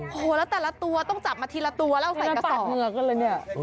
โอ้โฮแล้วแต่ละตัวต้องจับมาทีละตัวแล้วใส่กระสอบ